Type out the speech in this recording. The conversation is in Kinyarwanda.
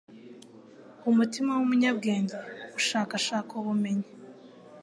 Umutima w’umunyabwenge ushakashaka ubumenyi